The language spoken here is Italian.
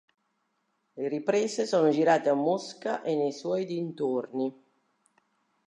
Le riprese sono girate a Mosca e nei suoi dintorni.